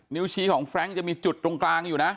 ชี้ของแฟรงค์จะมีจุดตรงกลางอยู่นะ